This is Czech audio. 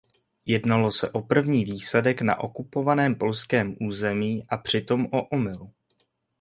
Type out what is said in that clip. Jednalo se o první výsadek na okupovaném polském území a přitom o omyl.